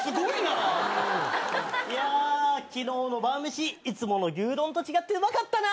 いやきのうの晩飯いつもの牛丼と違ってうまかったな！